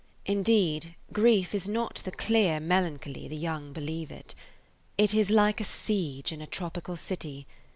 Indeed, grief is not the clear melancholy the young believe it. It is like a siege in a tropical city.